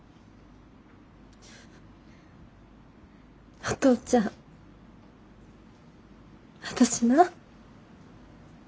お父ちゃん私な。